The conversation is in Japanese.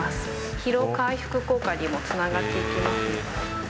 疲労回復効果にもつながっていきますので。